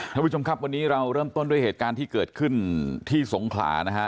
ท่านผู้ชมครับวันนี้เราเริ่มต้นด้วยเหตุการณ์ที่เกิดขึ้นที่สงขลานะฮะ